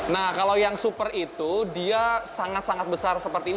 nah kalau yang super itu dia sangat sangat besar seperti ini